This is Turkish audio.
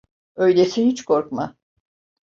Öyleyse hiç korkma…